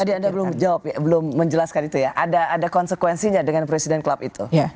tadi anda belum menjelaskan itu ya ada konsekuensinya dengan president s club itu